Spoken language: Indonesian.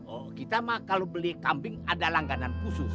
oh kita mah kalau beli kambing ada langganan khusus